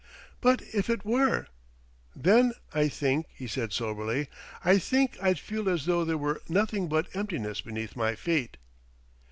"But if it were ?" "Then I think," he said soberly "I think I'd feel as though there were nothing but emptiness beneath my feet!"